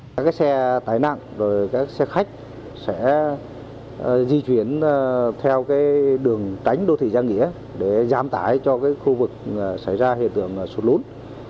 các xe tái nặng các xe khách sẽ di chuyển theo đường tránh đô thị giang nghĩa để giám tải cho khu vực xảy ra hiện tượng sụt lốn